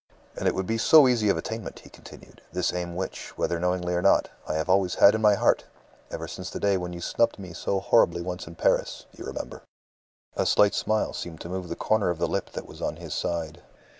"And it would be so easy of attainment," he continued, "this aim which, whether knowingly or not, I have always had in my heart ever since the day when you snubbed me so horribly once in Paris, you remember." A slight smile seemed to move the corner of the lip that was on his side.